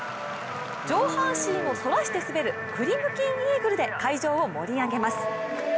上半身を反らして滑るクリムキンイーグルで会場を盛り上げます。